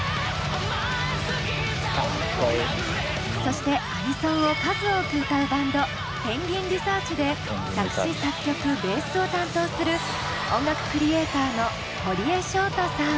そしてアニソンを数多く歌うバンドＰＥＮＧＵＩＮＲＥＳＥＡＲＣＨで作詞作曲ベースを担当する音楽クリエイターの堀江晶太さん。